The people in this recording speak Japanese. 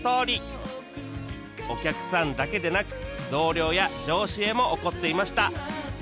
お客さんだけでなく同僚や上司へも怒っていました